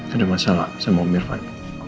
ada masalah sama mirvan